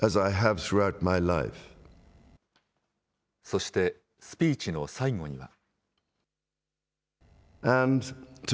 そして、スピーチの最後には。